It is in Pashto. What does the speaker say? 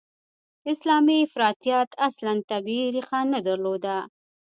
اسلامي افراطیت اصلاً طبیعي ریښه نه درلوده.